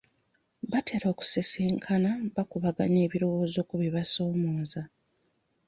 Batera okusisinkana bakubaganya ebirowooza ku bibasoomooza.